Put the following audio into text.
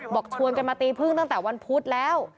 ชวนกันมาตีพึ่งตั้งแต่วันพุธแล้ว